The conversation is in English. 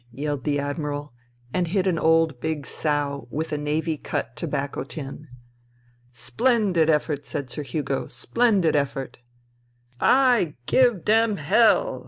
yelled the Admiral, and hit an old big sow with a Navy Cut tobacco tin. "Splendid effort!" said Sir Hugo. "Splendid effort !'*" I give dem h h hell !